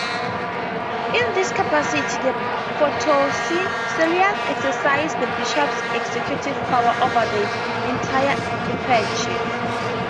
In this capacity the "protosyncellus" exercises the bishop's executive power over the entire eparchy.